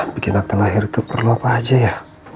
bikin matang lahir itu perlu apa aja ya